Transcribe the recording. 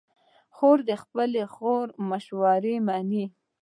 خور د خپلې خور مشوره منې.